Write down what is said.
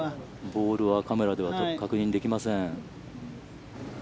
ボールはカメラでは確認できません。